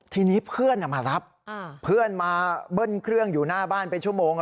ทีนี้เพื่อนมารับเพื่อนมาเบิ้ลเครื่องอยู่หน้าบ้านเป็นชั่วโมง